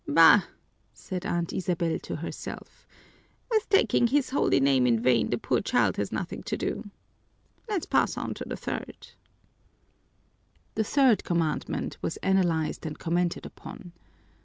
"Bah!" said Aunt Isabel to herself. "With taking His holy name in vain the poor child has nothing to do. Let's pass on to the third." The third commandment was analyzed and commented upon.